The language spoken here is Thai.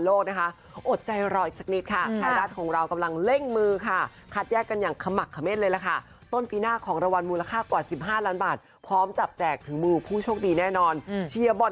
โอ้โฮไม่ค่อยเข้ามาที่ตึกนี้สักเท่าไหร่